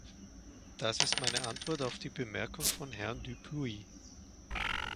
Das ist meine Antwort auf die Bemerkung von Herrn Dupuis.